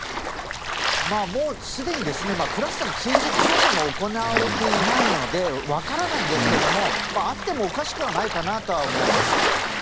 すでにクラスターの追跡調査も行われていないのでわからないんですけどもあってもおかしくないかなとは思います。